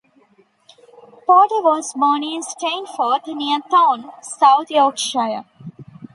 Porter was born in Stainforth, near Thorne, South Yorkshire.